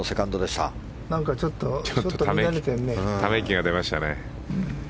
ため息が出ましたね。